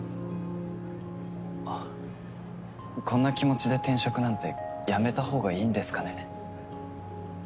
あっこんな気持ちで転職なんてやめたほうがいいんですかね？